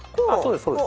あそうです